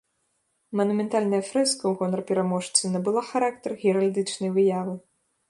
Манументальная фрэска ў гонар пераможцы набыла характар геральдычнай выявы.